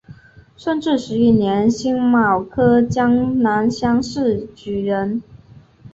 顺治十一年辛卯科江南乡试举人。